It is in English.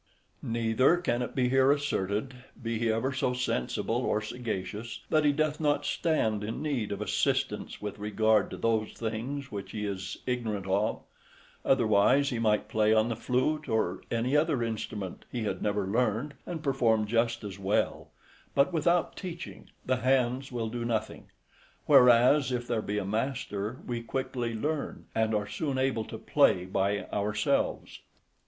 Neither can it be here asserted, be he ever so sensible or sagacious, that he doth not stand in need of assistance with regard to those things which he is ignorant of; otherwise he might play on the flute or any other instrument, who had never learned, and perform just as well; but without teaching, the hands will do nothing; whereas, if there be a master, we quickly learn, and are soon able to play by ourselves.